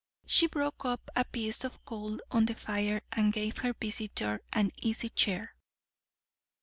She broke up a piece of coal on the fire, and gave her visitor an easy chair.